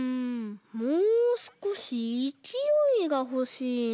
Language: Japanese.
もうすこしいきおいがほしいな。